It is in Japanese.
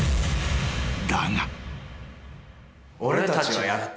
［だが］